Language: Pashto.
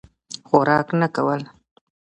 خوراک نه کول.